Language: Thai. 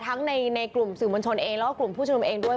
ทั้งในกลุ่มสื่อมนชนเองและกลุ่มผู้ชนมเองด้วย